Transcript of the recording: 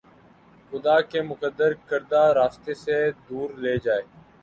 خدا کے مقرر کردہ راستے سے دور لے جائے